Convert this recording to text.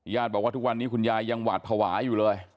บอกว่าทุกวันนี้คุณยายยังหวาดภาวะอยู่เลย